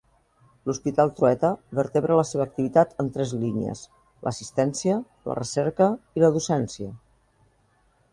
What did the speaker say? L'Hospital Trueta vertebra la seva activitat en tres línies: l'assistència, la recerca i la docència.